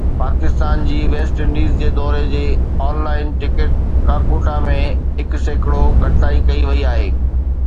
پاڪستان جي West Indies جي دوري جي آن لائن ٽڪيٽ ڪاڪوتا ۾ هڪ سيڪڙو گهٽتائي ڪئي وئي آهي